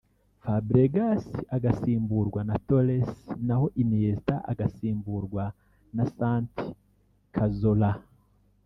Fabregas agasimburwa na Torres naho Iniesta agasimburwa na Santi Cazorla